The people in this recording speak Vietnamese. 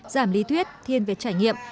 giảm lý thuyết thiên về trải nghiệm